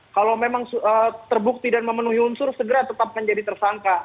kalau memang terbukti dan memenuhi unsur segera tetapkan jadi tersangka